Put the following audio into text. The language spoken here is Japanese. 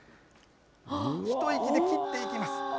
一息で切っていきます。